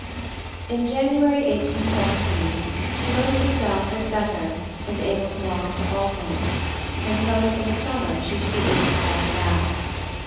_ In January, 1817, she wrote of herself as better and able to walk into Alton, and hoped in the summer she should be able to walk back.